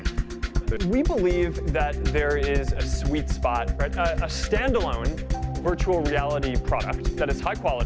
kami percaya bahwa ada tempat manis produk virtual reality yang berkualitas tinggi